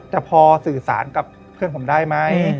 แต่พอสื่อสารกับเพื่อนผมได้ไหม